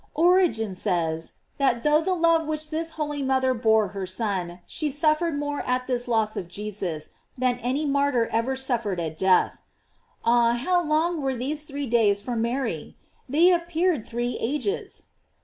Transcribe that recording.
Origen says, that though the love which this holy mother bore her Son, she suffered more at this loss of Jesus than any martyr ever suffered at death.* Ah, how long: were these three days for Mary! they appeared three ages.